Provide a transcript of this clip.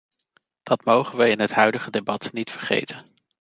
Dat mogen we in het huidige debat niet vergeten.